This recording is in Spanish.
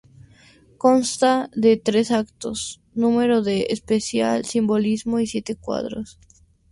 Consta de tres actos, número de especial simbolismo y siete cuadros.